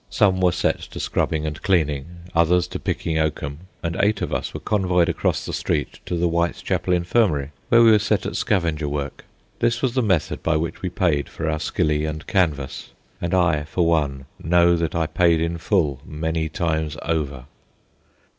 Some were set to scrubbing and cleaning, others to picking oakum, and eight of us were convoyed across the street to the Whitechapel Infirmary where we were set at scavenger work. This was the method by which we paid for our skilly and canvas, and I, for one, know that I paid in full many times over.